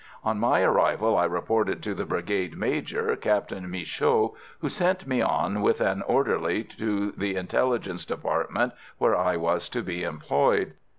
On my arrival I reported to the Brigade Major, Captain Michaud, who sent me on with an orderly to the Intelligence Department, where I was to be employed.